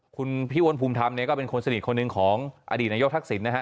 คุณพิวนภูมิธรรมก็เป็นคนสนิทคนนึงของอดีตนายกทักศิลป์